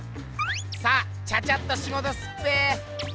さあチャチャッとしごとすっぺえ。